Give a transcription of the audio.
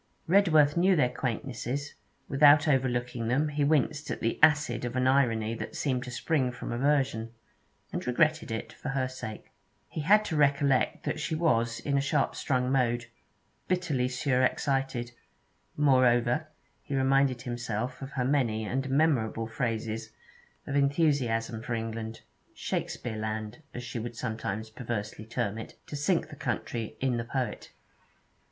Redworth knew their quaintnesses; without overlooking them he winced at the acid of an irony that seemed to spring from aversion, and regretted it, for her sake. He had to recollect that she was in a sharp strung mood, bitterly surexcited; moreover he reminded himself of her many and memorable phrases of enthusiasm for England Shakespeareland, as she would sometimes perversely term it, to sink the country in the poet.